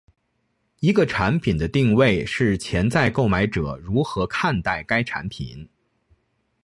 一个产品的定位是潜在购买者如何看待该产品。